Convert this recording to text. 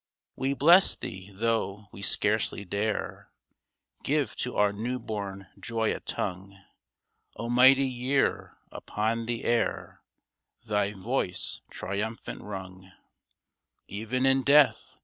We bless thee, though we scarcely dare Give to our new born joy a tongue ; O mighty Year, upon the air Thy voice triumphant rung, Even in death